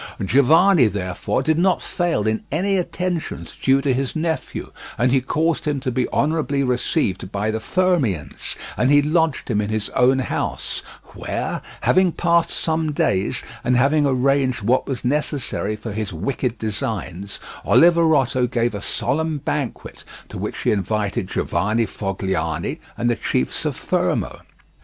Giovanni, therefore, did not fail in any attentions due to his nephew, and he caused him to be honourably received by the Fermians, and he lodged him in his own house, where, having passed some days, and having arranged what was necessary for his wicked designs, Oliverotto gave a solemn banquet to which he invited Giovanni Fogliani and the chiefs of Fermo.